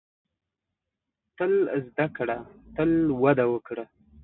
• تل زده کړه، تل وده وکړه.